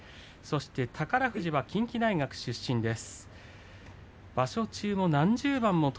宝富士は近畿大学出身です。